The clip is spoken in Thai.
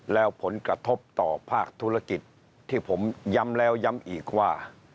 แล้วผลกระทบต่อภาคธุรกิจที่ผมย้ำแล้วย้ำอีกว่า